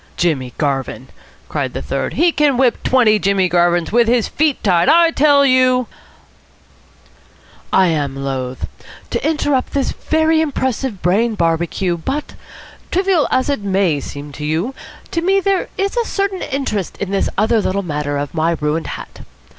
"Jimmy Garvin!" cried the third. "He can whip twenty Jimmy Garvins with his feet tied. I tell you " "I am loath," observed Psmith, "to interrupt this very impressive brain barbecue, but, trivial as it may seem to you, to me there is a certain interest in this other little matter of my ruined hat.